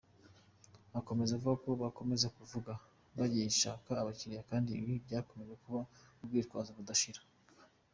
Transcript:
Akomeza avuga ko bakomeza kuvuga ko bagishaka abakiriya kandi ibi byakomeza kuba urwitwazo rudashira.